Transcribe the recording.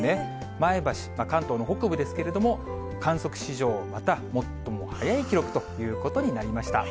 前橋、関東の北部ですけれども、観測史上また最も早い記録ということになりました。